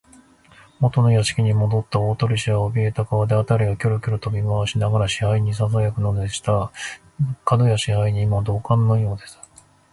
もとの座敷にもどった大鳥氏は、おびえた顔で、あたりをキョロキョロと見まわしながら、支配人にささやくのでした。門野支配人も同感のようです。